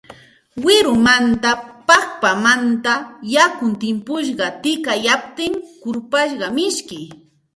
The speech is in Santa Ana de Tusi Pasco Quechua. Wirumanta, paqpamanta yakun timpusqa tikayaptin kurpasqa miski